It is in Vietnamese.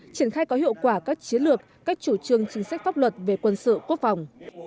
triển khai có hiệu quả các chiến lược các chủ trương chính sách pháp luật về quân sự quốc phòng